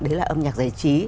đấy là âm nhạc giải trí